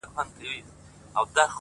دعا ـ دعا ـدعا ـ دعا كومه ـ